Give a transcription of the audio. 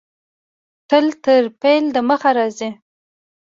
تل تر فعل د مخه راځي.